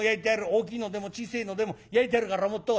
大きいのでも小せえのでも焼いてやるから持ってこい。